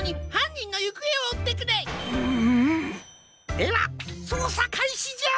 ではそうさかいしじゃ！